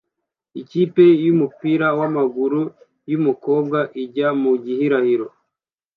Ikipe yumupira wamaguru yumukobwa ijya mu gihirahiro